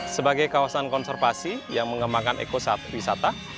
sebagai kawasan konservasi yang mengembangkan ekowisata